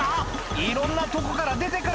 「いろんなとこから出て来る！